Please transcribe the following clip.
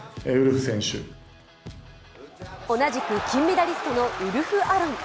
同じく金メダリストのウルフ・アロン。